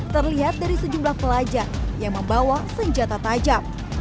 terlihat dari sejumlah pelajar yang membawa senjata tajam